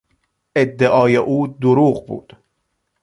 ادعای او دروغ بود.